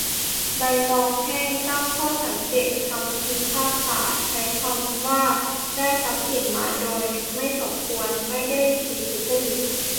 ใบตองแห้ง ตั้งข้อสังเกตคำพิพากษาใช้คำว่า "ได้ทรัพย์สินมาโดยไม่สมควร" ไม่ได้ชี้ทุจริต